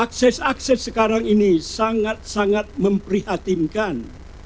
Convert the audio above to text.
akses akses sekarang ini sangat sangat memprihatinkan